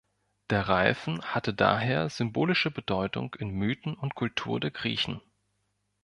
Der Reifen hatte daher symbolische Bedeutung in Mythen und Kultur der Griechen.